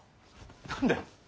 何で？